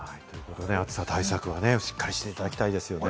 暑さ対策はしっかりしていただきたいですね。